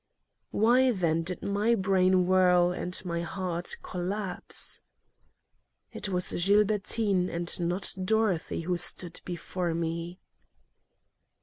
Why, then, did my brain whirl and my heart collapse? It was Gilbertine and not Dorothy who stood before me.